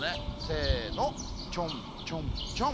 せのちょんちょんちょん。